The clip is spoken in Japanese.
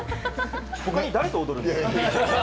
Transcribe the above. ほかに誰と踊るんですか？